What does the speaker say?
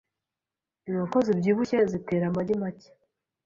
Inkoko zibyibushye zitera amagi make .